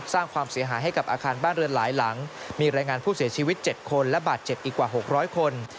สร้างความเสียหายให้กับอาคารบ้านเรือนหลายหลังมีรายงานผู้เสียชีวิต๗คนและบาดเจ็บอีกกว่า๖๐๐คน